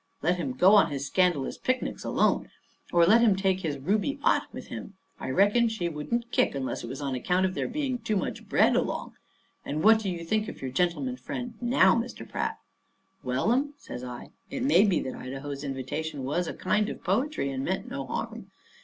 Let him go on his scandalous picnics alone! Or let him take his Ruby Ott with him. I reckon she wouldn't kick unless it was on account of there being too much bread along. And what do you think of your gentleman friend now, Mr. Pratt?" "Well, 'm," says I, "it may be that Idaho's invitation was a kind of poetry, and meant no harm.